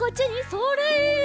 それ！